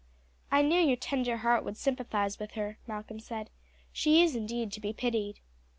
"I knew your tender heart would sympathize with her," Malcolm said; "she is indeed to be pitied."